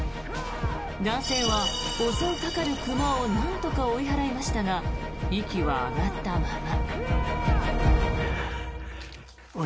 男性は襲いかかる熊をなんとか追い払いましたが息は上がったまま。